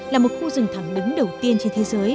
là một khu rừng thẳng đứng đầu tiên trên thế giới